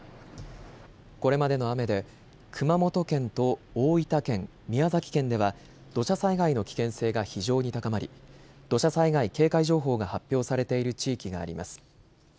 これまでの雨で熊本県と大分県、宮崎県では土砂災害の危険性が非常に高まり土砂災害警戒情報が発表されている地域があります。